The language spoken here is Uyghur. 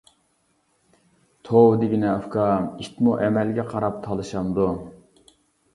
-توۋا دېگىنە ئۇكام، ئىتمۇ ئەمەلگە قاراپ تالىشامدۇ.